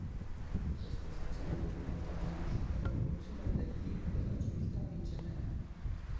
Questa sezione documenta la nascita, l'evoluzione e il declino della civiltà micenea.